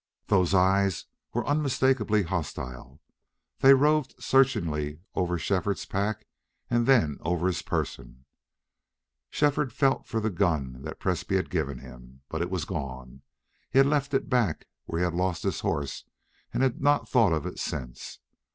Those eyes were unmistakably hostile. They roved searchingly over Shefford's pack and then over his person. Shefford felt for the gun that Presbrey had given him. But it was gone. He had left it back where he had lost his horse, and had not thought of it since.